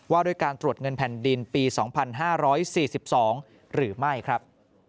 ว่าด้วยการตรวจเงินแผ่นดินปี๒๕๔๒หรือไม่ครับ